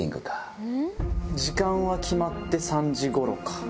時間は決まって３時頃か。